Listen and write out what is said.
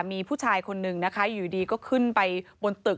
มีผู้ชายคนนึงนะคะอยู่ดีก็ขึ้นไปบนตึก